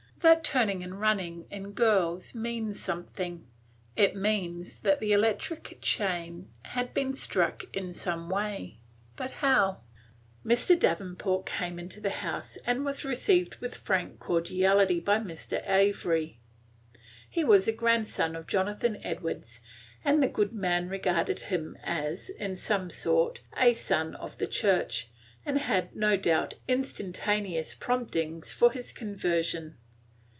That turning and running in girls means something; it means that the electric chain had been struck in some way; but how? Mr. Davenport came into the house, and was received with frank cordiality by Mr. Avery. He was a grandson of Jonathan Edwards, and the good man regarded him as, in some sort, a son of the Church, and had, no doubt, instantaneous promptings for his conversion.